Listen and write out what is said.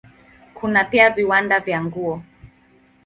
Kuna pia viwanda vya nguo.